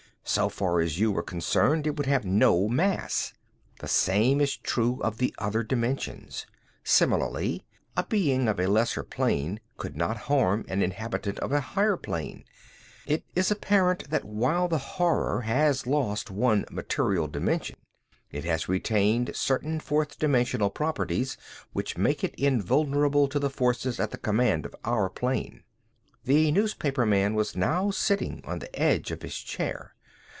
So far as you were concerned it would have no mass. The same is true of the other dimensions. Similarly a being of a lesser plane could not harm an inhabitant of a higher plane. It is apparent that while the Horror has lost one material dimension, it has retained certain fourth dimensional properties which make it invulnerable to the forces at the command of our plane." The newspaperman was now sitting on the edge of his chair.